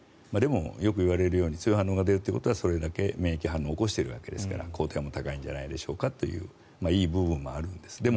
でもよくいわれるように強い反応が出るということはそれだけ免疫反応を起こしているわけですから抗体も高いんじゃないでしょうかといういい部分もあるんです。